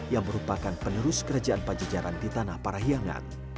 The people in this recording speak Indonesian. yang merupakan penerus kerajaan panjajaran di tanah parahiangan